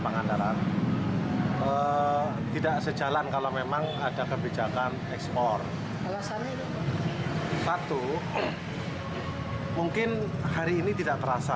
pangandaran tidak sejalan kalau memang ada kebijakan ekspor satu mungkin hari ini tidak terasa